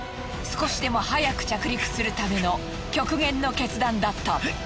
少しでも早く着陸するための極限の決断だった。